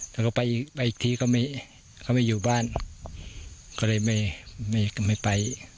แล้วก็ไปอีกทีก็ไม่เขาไม่อยู่บ้านก็เลยไม่ไป